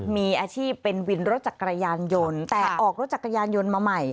มีอาชีพเป็นวินรถจักรยานยนต์แต่ออกรถจักรยานยนต์มาใหม่